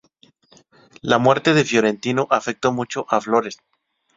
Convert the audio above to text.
La muerte de Fiorentino afectó mucho a Flores.